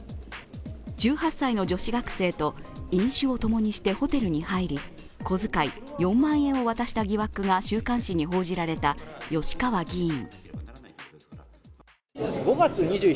１８歳の女子学生と飲酒を共にしてホテルに入り小遣い４万円を渡した疑惑が週刊誌に報じられた吉川議員。